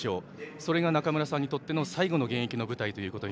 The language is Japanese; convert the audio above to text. それが中村さんにとっての最後の現役の舞台ということに